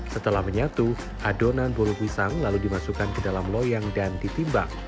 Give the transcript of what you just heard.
setelah menyatu adonan bolu pisang lalu dimasukkan ke dalam loyang dan ditimbang